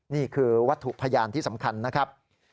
นี่คือวัตถุพยานที่สำคัญนะครับ